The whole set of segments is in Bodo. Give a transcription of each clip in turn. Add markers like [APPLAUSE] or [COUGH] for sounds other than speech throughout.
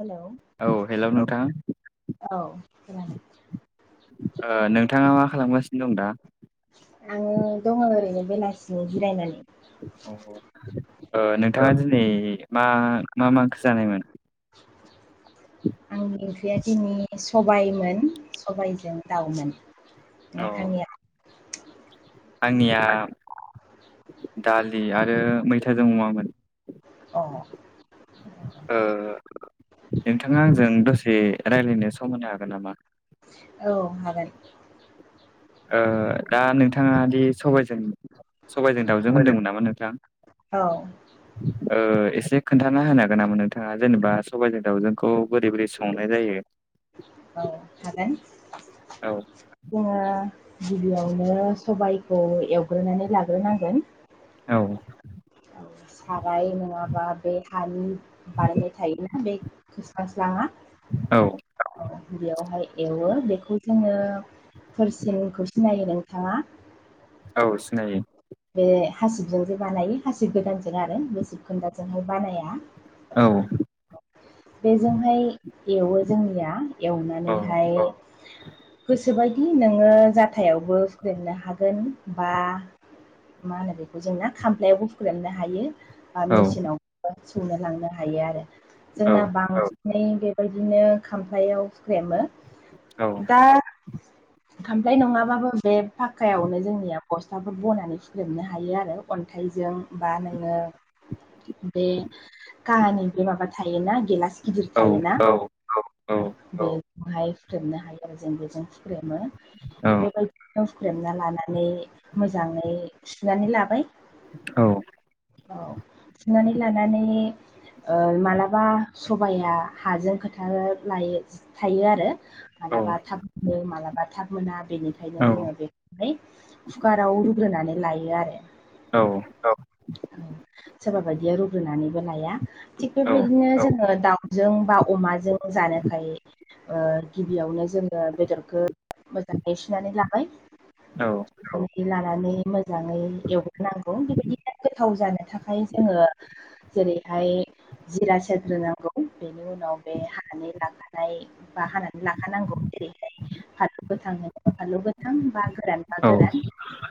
हेलौ औ हेल' नोंथां औ खोनादों नोंथाङा मा खालामगासिनो दं दा? आङो दङ ओरैनो बेलासिनि जिरायनानै। नोंथाङा दिनै मा मा मा ओंख्रि जानायमोन? [INAUDIBLE] आंनि ओंख्रिया दिनै सबायमोन सबायाइजों दाउमोन। औ नोंथांनिया आंनिया दालि आरो मैथाजों अमामोन। अ ओ नोंथाङा आंजों दसे रायज्लायनो सम होनो हागोन नामा? औ हागोन। ओ दा नोंथाङा दि सबायजों-सबायजों दाउजों होनदोंमोन नामा नोंथां? औ। [INAUDIBLE] ओ एसे खोन्थाना होनो हागोन नामा नोंथाङा जेनेबा सबाइजों दाउजोंखौ बोरै-बोरै संनाय जायो? [INAUDIBLE] औ हागोन। औ जोङो गिबियावनो सबाइखौ एवग्रोनानै लाग्रोनांगोन। औ औ साराय नङाबा बे हानि बानायनाय थायोना बे फोस्लांस्लाङा औ बेयावहाय एवो बेखौ जोङो फोरसिनखौ सिनायो नोंथाङा? औ सिनायो। बे हासिबजों जे बानायो हासिब गोदानजों आरो बे सिबखोनदाजोंहाय बानाया। औ बेजोंहाय एवो जोंनिया औ एवनानैहाय गोसोबायदि नोङो जाथायावबो हुख्रेमनो हागोन बा मा होनो बेखौ जोंना खामफ्लायावबो फुख्रेमनो हायो बा औ मेसिनाव सौनो लांनो हायो आरो जोंना बां सिनै बेबायदिनो खामफ्लयाव हुख्रेमो। औ दा खामफ्लाय नङाबाबो बे फाक्कायावनो जोंनिया बस्थाफोर बनानै हुख्रेमनो हायो आरो। अन्थाइजों बा नोङो [INAUDIBLE] बे काहानि बे माबा थायोना गेलास गिदिर थायोना? औ औ बेखौहाय हुख्रेबनो हायो आरो जों बेजों। फुख्रेमो औ बेबायदिनो हुख्रेमना लानानै मोजाङै सुनानै लाबाय। औ औ सुनानै लानानै ओ मालाबा सबाया हाजों खोथा लायो थायो आरो औ माबलाबा थाब मालाबा थाब मोना बेनिखायनो औ जों बेखौहाय कुकाराव रु रुग्रोनानै लायो आरो। औ औ सोरबा बायदिया रुग्रोनानैबो लाया थिग बेबायदिनो जोङो दाउ जों बा अमाजों जानोखाय गिबियावनो जोङो बेदरखौ मोजाङै सुनानै लाबाय। औ। लानानै मोजाङै एवग्रोनांगौ बेबायदिनो गोथाव जानो थाखाय जोङो जेरैहाय जिरा सेरग्रोनांगौ बेनि उनाव बे हानै लाबानाय बा हानानै लाखानांगौ दे फाथो गोथां होनोबा फालौ गोथां बा गोरान बा गोरान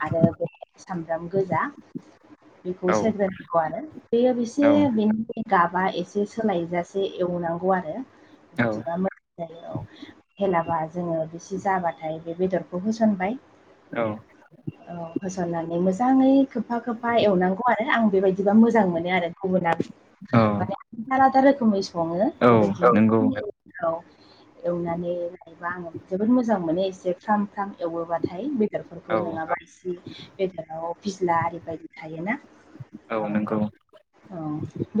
आरो सामब्राम गोजा बेखौ सेरग्रायांगौ आरो। बेयो बेसे बेनि गाबा एसे सोलायजासे एवनांगौ आरो, बिदिबा मो जयाव हेलाबा जोङो बेसे जाबाथाय बे बेदरखौ होसनबाय। औ। औ होसननानै मोजाङै खोबफा खोबफा एवनांगौ आरो आं बेबायदिबा मोजां मोनो आरो। गुबुना माने आलादा आलादा रोखोमै सङो औ बेबायदि ओ नंगौ औ एवनानै आं जोबोद मोजां मोनो एसे फ्राम फ्राम एवोबाथाय औ बेदरफोरखौ नङाबा एसे बेदराव फिस्ला आरि बायदि थायोना? औ। औ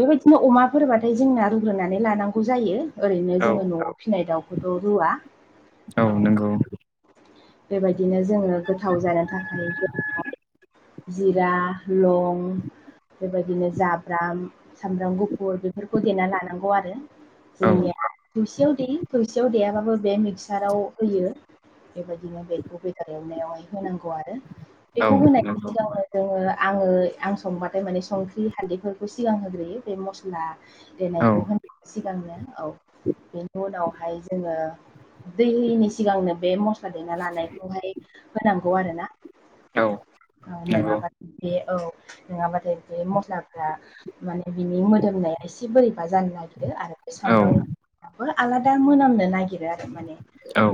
बेबायदिनो अमाफोरबाथाय जोंना रुग्रोनानै लानांगौ जायो। ओरैनो औ जोङो न'आव फिसिनाय दाउखौथ' रुवा। औ बेबायदिनो जोङो गोथाव जानो थाखाय जिरा, लं बेबायदिनो जाब्राम सामब्राम गुफुर बेफोरखौ देना लानांगौ आरो। औ जोंनिया थोसेयाव दै थोसेयाव दैयाबाबो बे हासाराव होयो, बेबायदिनो बेखौ बेदर एवनायावहाय होनांगौ आरो। औ नंगौ औ बेखौ होनाय नंगौ [UNINTELLIGIBLE] जोङो आङो आं संबाथाय माने संख्रि हाल्दैफोरखौ सिगां होग्रोयो बे मस्ला औ देनायखौ होनो सिगांनो औ, बेनि उनावहाय जोङो दै होयिनि सिगांनो बे मस्ला दैना लानायखौहाय होनांगौ आरो ना। औ। औ नङाबथाय बे औ, नङाबाथाय बे मस्लाफ्रा माने बिनि मोदोमनाया एसे बोरैबा जानो नागिरो आरो। बे औ सामब्रामाबो आलादा मोनामनो नागिरो आरो माने। औ।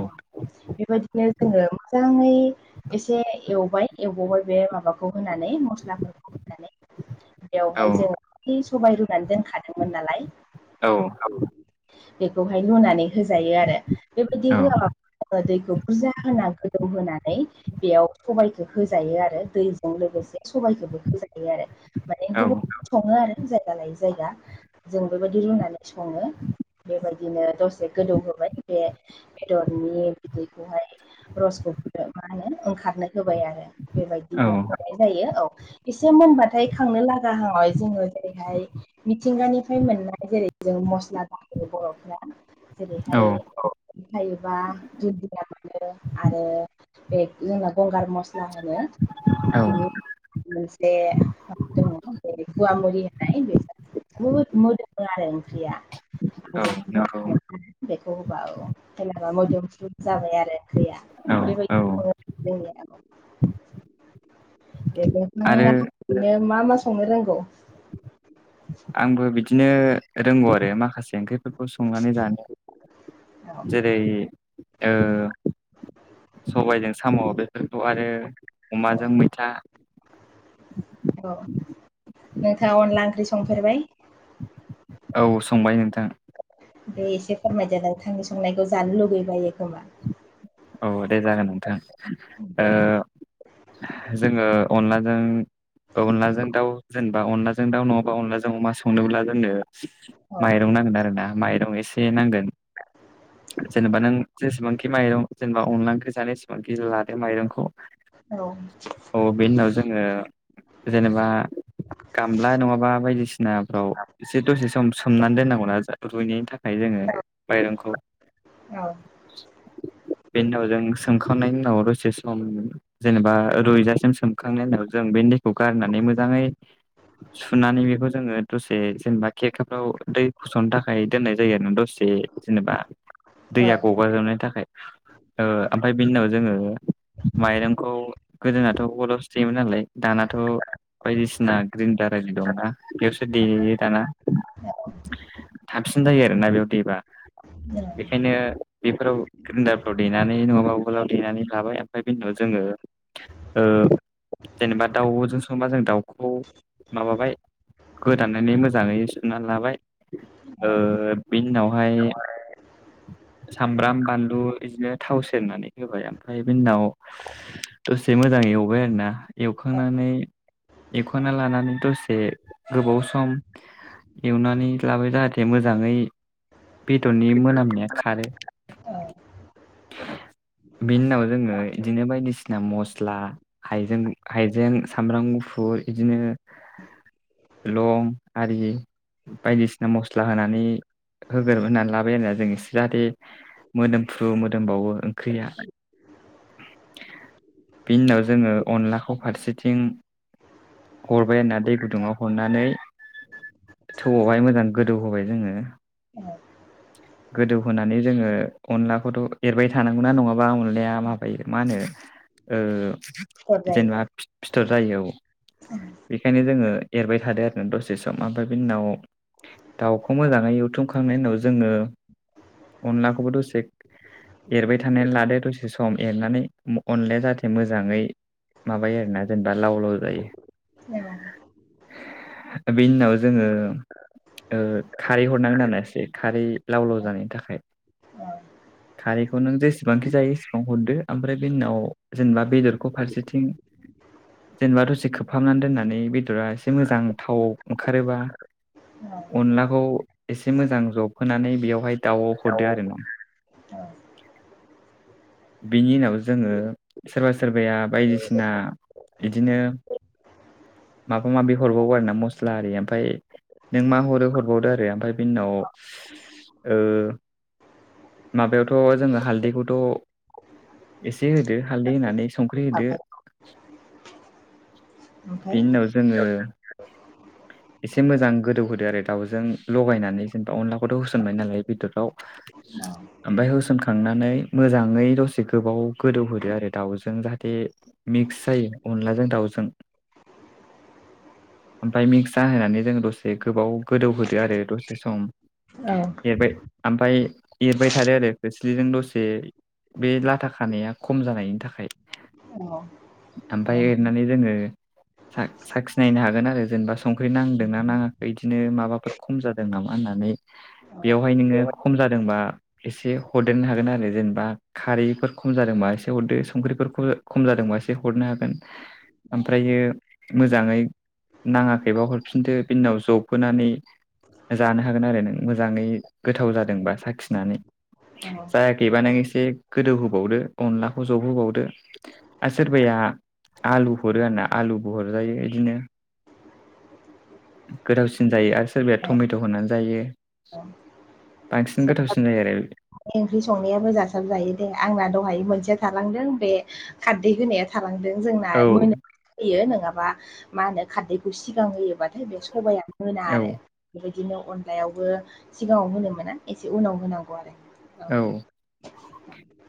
बेबायदिनो जोङो मोजाङै एसे एवबाय एवबावबाय बे माबाखौ होनानै मस्लाफोरखौ होनानै। बेवहाय जों खा सबाय रुनानै दोनखादोंमोन नालाय। औ। बेखौहाय लुनानै होजायो आरो। बेबायदि होआबा जङो दैखौ बुरजा होनानै गोदौ होनानै बेयाव सबाइखौ होजायो आरो दैजों लोगोसे सबाइखौबो होजायो आरो। माने गुबुन सङो आरो जायगा लायै जायगा। जों बेबायदि रुनानै सङो बेबायदिनो दसे गोदौ होबाय। बे बेदरनि बिनिखौहाय रसखौ मा होनो ओंखारनो होबाय आरो बेबायदिनो होनाय जायो औ। एसे मोनबाथाय खांनो लागााहाव जोङो जेरैहाय मिथिंगानिफ्राय मोननाय जेरै जों मस्ला दायोायो बर'फ्रा, जेरैहाय औ थायोबा ददिया मोनो आरो बे जोंना गंगार मस्ला होनो। औ। बिनि मोनसे दङ बे गुवा मुरि होननाय बे बहुद मोदोमो आरो ओंख्रिया। बेखौ नंगौ [UNINTELLIGIBLE] औ जेनेबा मोदोमफ्रु जाबाय आरो ओंख्रिया औ औ बेबायदि जोंनि नोंथाङा आरो ओरैनो मा मा संनो रोंगौ? आंबो बिदिनो रोंगौ आरो माखासे ओंख्रिफोरखौ संनानै जानो औ जेरै ओ सबायजों साम' बेफोरखौ आरो औ अमाजों मैथा औ नोंथाङा अनला ओंख्रि संफेरबाय? औ संबाय नोंथां। बे एसे फोरमायदो नोंथांनि संनायखौ जानो लुगैबायो खोमा। औ दे जागोन नोंथां। दे जोङो अनलाजों अनलाजों दाउ जेनेबा अनलाजों दाउ नङाबा अनलाजों अमा संनोब्ला जोंनो औ माइरं नांगोन आरो ना माइरं एसे से नांगोन जेनेबा नों जेसेबांखि माइरं जेनेबा अनला ओंख्रि जानाय समाव [UNINTELLIGIBLE] लादो माइरंखौ। औ औ बेनि उनाव जोङो जेनेबा गामला नङाबा बायदिसिनाफ्राव एसे दसे सम सोमनानै दोननांगौ ना रुइनायनि थाखाय जोङो माइरंखौ। औ बेनि उनाव जों सोमखांनायनि उनाव दसे सम जेनेबा रुइजासिम सोमखांनायनि उनाव जों बे दैखौ गारनानै मोजाङै सुनानै बेखौ जोङो दसे जेनेबा खेरखाफ्राव दै फसरनो थाखाय दोननाय जायो आरोना दसे। जेनेबा औ दैया गगाजोबनायनि थाखाय ओ ओमफ्राय बेनि उनाव जोङो माइरंखौ गोदोनाथ' उवालावसो देयोमोन नालाय दानाथ' बायदिसिना ग्रिनदार आरि दंना। बेयावसो देयो दाना औ थाबसिन जायो आरोना बेयाव देबा। [UNINTELLIGIBLE] बेखायनो बेफोराव ग्रिन्डार फ्राव देनानै नङाबा उवालाव देनानै लाबाय ओमफ्राय बिनि उनाव जोङो ओ जेनेबा दाउजों संबा जों दाउखौ माबाबाय गोदानानै मोजाङै सुनानै लाबाय। ओ बिनि उनावहाय सामब्राम बानलु बिदिनो थाव सेरनानै होबाय ओमफ्राय बिनि उनाव दसे मोजां एवबाय आरोना एवखांनानै एवखांना लानानै दसे गोबाव सम एवनानै लाबाय जाहाथे मोजाङै बेदरनि खर मोनामनाया खारो। बेनि उनाव जोङो इदिनो बायदिसिना मस्ला हाइजें हाइजें सामब्राम गुफुर इदिनो लं आरि बायदिसिना मस्ला होनानै होगोर होनानै लाबाय आरोना जों ए जाहाथे मोदोम फ्रु मोदोमबावो ओंख्रिया। बिनि उनाव जोङो अनलाखौ फारसेथिं हरबाय आरना दै गुदुङाव हरनानै थौआवहाय मोजां गोदौ होबाय जोङो। गोदौहोनानै जोङो अनलाखौथ' एरबाय थानांगौना नङाबा अनलाया माबायो मा होनो ओ जायो जेनेबा फिथर जायो औ। बेखायनो जोङो एरबाय थादो आरोना दसे सम ओमफ्राय बिनि उनाव दाउखौ मोजाङै एवथुमखांनायनि उनाव जोङो अनलाखौबोथ एरबाय थाना लादो दसे सम एरनानै अनलाया जाहाथे मोजाङै माबायो आरोना जेनेबा लाव लाव जायो औ बेनि उनाव जोङो ओ खारै हरनांगोन एसे खारै लाव लाव जानायनि थाखाय। औ खारैखौ नों जेसेबांखि जायो एसेबां हरदो ओमफ्राय बे उनाव जेनेबा बेदरखौ फारसेथिं जेनेबा दसे खोबहाबनानै दोननानै बेदरा एसे मोजां थाव ओंखारोबा। औ अनलाखौ एसे मोजां जबहोनानै बेवहाय दाउआव हरदो आरो ना [INAUDIBLE] औ बिनि उनाव जोङो सोरबा सोरबाया बायदिसिना बिदिनो माबा माबि हरबावो आरो ना मस्ला आरि ओमफ्राय नों मा हरो हरबावदो आरो ओमफ्राय बेनि उनाव ओ। माबायावथ' जोङो हालदैखौथ'। एसे होदो हालदै होनानै संख्रि होदो ओमफ्राय बिनि उनाव जोङो एसे मोजां गोदौहोदो आरो दाउजों लगायनानै जेनेबा अनलाखौथ' होसनबाय नालाय बेदराव। मा। ओमफ्राय होसनखांनानै मोजाङै दसे गोबाव गोदौहोदो आरो दाउजों जाहाथे। मिक्स जायो अनलाजों दाउजों ओमफ्राय मिक्स जाहोनानै जोंङो दसे गोबाव गोदौहोदो आरो दसे सम। औ एरबाय ओमफ्राय एरबाय थादो आरो खोस्लिजों दसे बे लाथा खानाया खम जानायनि थाखाय ओमफ्राय एरनानै जोङो साखिनायनो हागोन आरो जेनेबा संख्रि नांदोंनाा नाङाखै बिदिनो माबाफोर खम जादों नामा होननानै। बेवहाय नोङो औ खम जादोंबा एसे हरदेरनो हागोन आरो जेनेबा खारैफोर खम जादोंबा एसे हरदो संख्रिफोरखौ खम जादोंबासो एसे हरनो हागोन ओमफ्रायो मोजाङै। नाङाखैबा हरफिनदो बिनि उनाव जबहओनानै जानो हागोन आरो नों मोजाङै गोथाव जादोंबा साखिनानै जायाखैबा नों एसे गोदौहोबावदो अनलाखौ जबहोबावदो आरो सोरबाया आलु हरो आरोना आलुबो हरजायो बिदिनो गोथावसिन जायो आरो सोरबाया औ टमेट' होनानै जायो। बांसिन गोथावसिन जायो आरो बे ओंख्रि संनायाबो जासाबजायो दे आंना दहाय मोनसेया थालांदों बे खारदै होनाया थालांदों जोंना मोन होयो नङाबा मा होनो खारदैखौ सिगां होयोबाथाय बे सबाया। मोना औ आरो बेबायदिनो अनलायावबो सिगाङाव होनो मोना एसे उनाव होनांगौ आरो। औ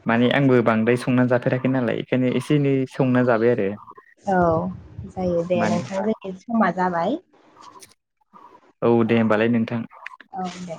माने आंबो बांद्राय संना जाफेराखै नालाय बेखायनो एसे एनै संना जाबाय आरो औ जायो दे माने नोंथां समा जाबाय औ दे होमबालाय नोंथां औ दे।